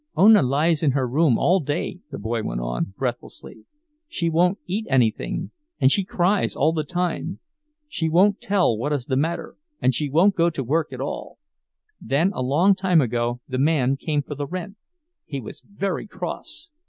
"Ona lies in her room all day," the boy went on, breathlessly. "She won't eat anything, and she cries all the time. She won't tell what is the matter and she won't go to work at all. Then a long time ago the man came for the rent. He was very cross.